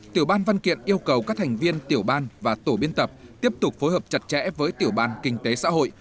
tiểu ban văn kiện yêu cầu các thành viên tiểu ban và tổ biên tập tiếp tục phối hợp chặt chẽ với tiểu ban kinh tế xã hội